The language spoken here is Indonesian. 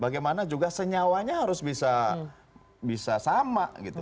bagaimana juga senyawanya harus bisa sama gitu